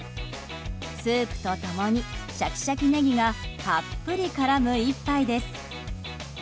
スープと共にシャキシャキネギがたっぷり絡む一杯です。